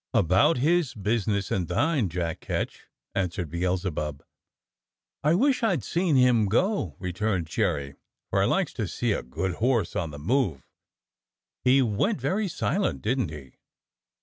"About his business and thine. Jack Ketch," an swered Beelzebub. "I wish I'd seen him go," returned Jerry, "for I likes to see a good horse on the move. He went very silent, didn't he.?"